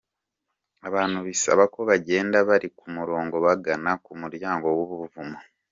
Abantu bisaba ko bagenda bari ku murongo bagana ku muryango w'ubuvumo.